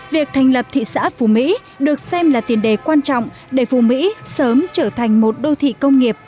việc thành lập thị xã phú mỹ được xem là tiền đề quan trọng để phù mỹ sớm trở thành một đô thị công nghiệp